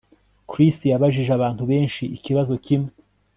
Chris yabajije abantu benshi ikibazo kimwe